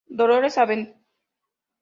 Dolores, Av.